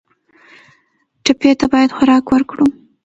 ټپي ته باید خوراک ورکړو.